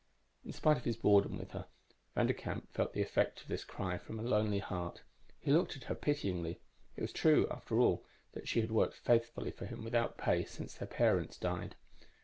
"_ _In spite of his boredom with her, Vanderkamp felt the effect of this cry from a lonely heart. He looked at her pityingly; it was true, after all, that she had worked faithfully for him, without pay, since their parents died.